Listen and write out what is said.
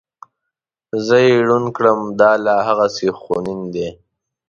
زه یې ړوند کړم دا لا هغسې خونین دی.